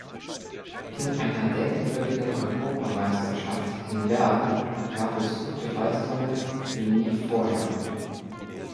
In einer denkwürdigen Europameisterschaft in Bern gab es gute Leistungen wie nie vorher.